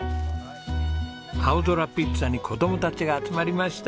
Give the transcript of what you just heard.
あおぞらピッツァに子供たちが集まりました。